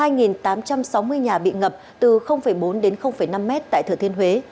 hai tám trăm sáu mươi nhà bị ngập từ bốn đến năm mét tại thừa thiên huế